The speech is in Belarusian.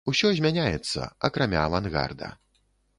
Усё змяняецца, акрамя авангарда.